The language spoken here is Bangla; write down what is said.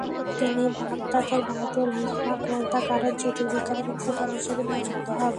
তিনি বাগদাদের বাইতুল হিকমাহ গ্রন্থাগারের জ্যোতির্বিজ্ঞানী এবং প্রধান হিসেবে নিযুক্ত হন।